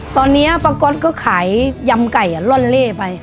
ตอนนี้ป้าก๊อตก็ขายยำไก่ล่อนเล่ไป